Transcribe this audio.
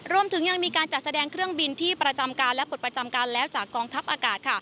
รวมถึงยังมีการจัดแสดงเครื่องบินที่ประจำการและปลดประจำการแล้วจากกองทัพอากาศ